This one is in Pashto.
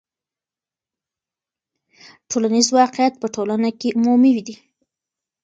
ټولنیز واقعیت په ټوله ټولنه کې عمومي دی.